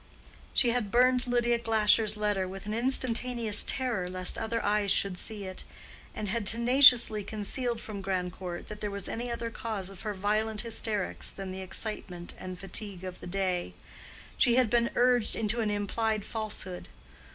She had burned Lydia Glasher's letter with an instantaneous terror lest other eyes should see it, and had tenaciously concealed from Grandcourt that there was any other cause of her violent hysterics than the excitement and fatigue of the day: she had been urged into an implied falsehood.